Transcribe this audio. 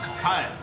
はい。